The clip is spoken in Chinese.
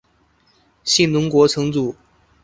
信浓国城主。